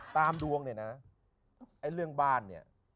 ตามดวงเนี่ยนะไอ้เรื่องบ้านเนี่ย